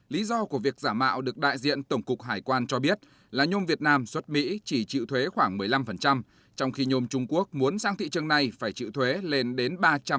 lý do của việc giả mạo được đại diện tổng cục hải quan cho biết là nhôm việt nam xuất mỹ chỉ trị thuế khoảng một mươi năm trong khi nhôm trung quốc muốn sang thị trường này phải trị thuế lên đến ba trăm bảy mươi bốn